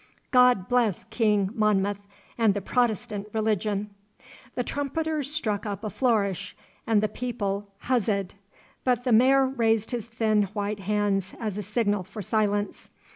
God bless King Monmouth and the Protestant religion!' The trumpeters struck up a flourish and the people huzzaed, but the Mayor raised his thin white hands as a signal for silence.